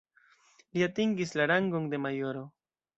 Li atingis la rangon de majoro.